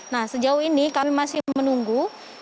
nah sejauh ini kami masih menunggu